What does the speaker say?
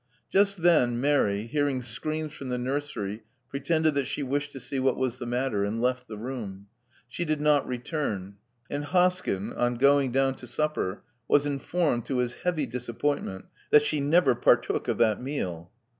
Just then Mary, hearing screams from the nursery pretended that she wished to see what was the matter, and left the room. She did not return ; and Hoskyn, on going down to supper, was informed, to his heavy disappointment, that she never partook of that meal.